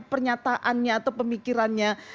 pernyataannya atau pemikirannya